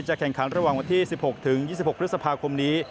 แข่งขันระหว่างวันที่๑๖ถึง๒๖พฤษภาคมนี้